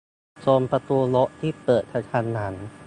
- ชนประตูรถที่เปิดกระทันหัน